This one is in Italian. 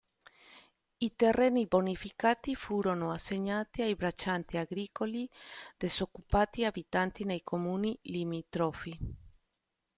I terreni bonificati furono assegnati a braccianti agricoli disoccupati, abitanti nei comuni limitrofi.